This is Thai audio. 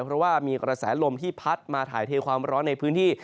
เพราะว่ามีกระแสลมที่พัดมาถ่ายเทความร้อนในพื้นที่